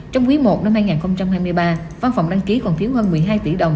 trong quý i năm hai nghìn hai mươi ba văn phòng đăng ký còn thiếu hơn một mươi hai tỷ đồng